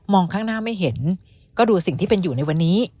ข้างหน้าไม่เห็นก็ดูสิ่งที่เป็นอยู่ในวันนี้